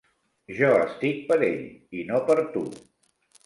Jo estic per ell, i no per tu.